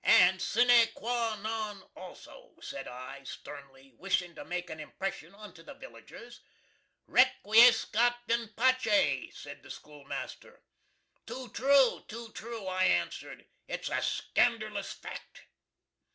"And sine qua non also!" sed I, sternly, wishing to make a impression onto the villagers. "Requiescat in pace!" sed the skoolmaster, "Too troo, too troo!" I anserd, "it's a scanderlus fact!"